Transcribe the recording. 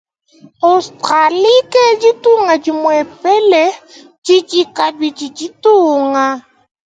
Australie ke ditunga dimuepele didi kabidi ditunga.